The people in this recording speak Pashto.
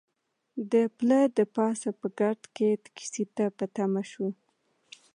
د پله د پاسه په ګرد کې ټکسي ته په تمه شوو.